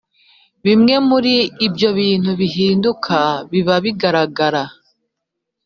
Bimwe muri ibyo bintu bihinduka biba bigaragara